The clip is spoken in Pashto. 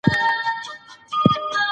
نشه يي توکي د ټولنې سرطان دی.